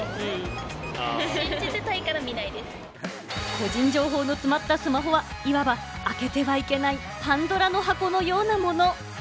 個人情報の詰まったスマホは、いわば開けてはいけない、パンドラの箱のようなもの。